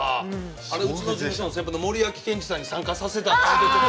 あれ、うちの地元の先輩の森脇健二さんに参加させたい。